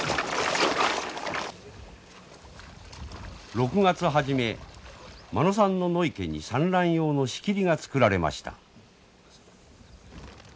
６月初め間野さんの野池に産卵用の仕切りが作られました。